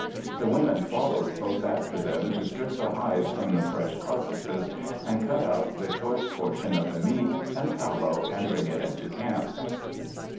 The women followed close after them to strip the hides from the fresh carcasses, and cut out the choice portion of the meat and tallow and bring it into camp."